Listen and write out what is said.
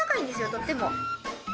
とっても。